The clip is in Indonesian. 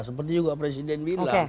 seperti juga presiden bilang